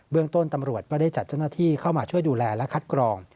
เรื่องต้นตำรวจก็ได้จัดเจ้าหน้าที่เข้ามาช่วยดูแลและคัดกรอง